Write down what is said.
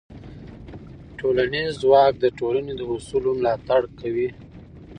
ټولنیز ځواک د ټولنې د اصولو ملاتړ کوي.